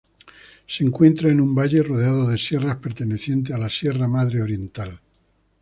Se encuentran en un valle rodeados de sierras pertenecientes a la Sierra Madre Oriental.